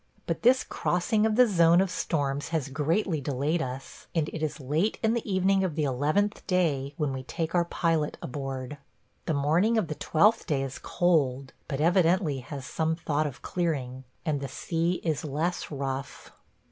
But this crossing of the zone of storms has greatly delayed us, and it is late in the evening of the eleventh day when we take our pilot aboard. The morning of the twelfth day is cold, but evidently has some thought of clearing, and the sea is less rough.